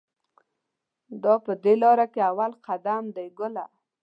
دا په دې لار کې اول قدم دی ګله.